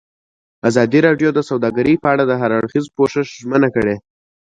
ازادي راډیو د سوداګري په اړه د هر اړخیز پوښښ ژمنه کړې.